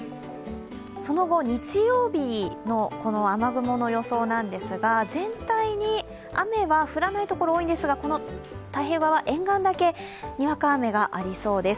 その後、日曜日の雨雲の予想ですが全体に雨は降らない所が多いんですが、太平洋側沿岸だけ、にわか雨がありそうです。